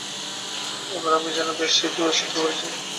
এবার আমি যেন বেশি দূরে ছিটকে পড়েছি।